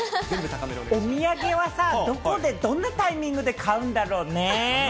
お土産はさ、どこでどんなタイミングで買うんだろうね。